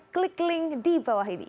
klik link di bawah ini